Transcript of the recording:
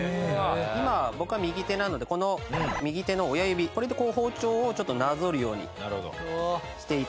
今僕は右手なのでこの右手の親指これでこう包丁をちょっとなぞるようにして頂くといいかと思います。